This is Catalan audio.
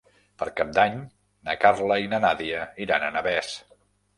Per Cap d'Any na Carla i na Nàdia iran a Navès.